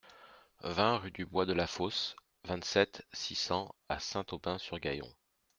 vingt rue du Bois de la Fosse, vingt-sept, six cents à Saint-Aubin-sur-Gaillon